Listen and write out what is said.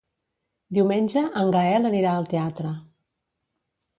Diumenge en Gaël anirà al teatre.